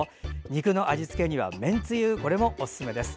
肉の味付けにはめんつゆもおすすめです。